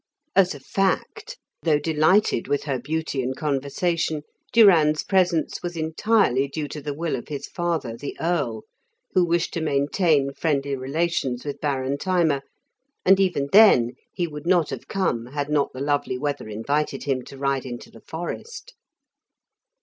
As a fact, though delighted with her beauty and conversation, Durand's presence was entirely due to the will of his father, the Earl, who wished to maintain friendly relations with Baron Thyma, and even then he would not have come had not the lovely weather invited him to ride into the forest.